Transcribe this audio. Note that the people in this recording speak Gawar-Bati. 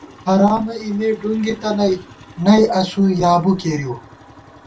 حرامہ اِمے ڈُونگِتہ نئی ، نئی اسُو یابُو کېرِؤ